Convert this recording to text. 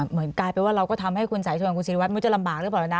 เหมือนกลายเป็นว่าเราก็ทำให้คุณสายชนคุณศิริวัฒมุจะลำบากหรือเปล่าแล้วนะ